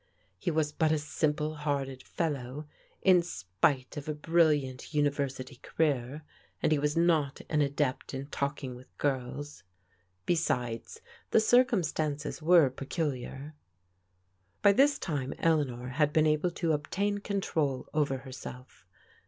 He was but a simple hearted fellow, m spite of a brilliant university career, and he was not an adept in talking with girls. Besides, the circumstances were pe culiar. By this time Eleanor had been able to obtain control over herself.